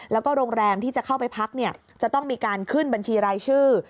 แล้วก็โรงแรมที่จะเข้าไปพักจะต้องมีการขึ้นบัญชีรายชื่อ